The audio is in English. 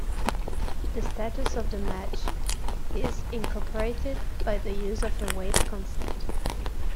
The status of the match is incorporated by the use of a weight constant.